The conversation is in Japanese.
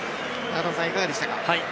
いかがでしたか？